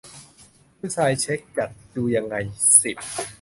ผู้ชายเซ็กส์จัด ดูยังไง สิบ